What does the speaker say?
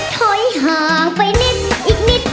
ถอยห่างไปนิดอีกนิด